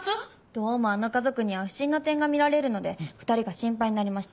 どうもあの家族には不審な点が見られるので２人が心配になりまして。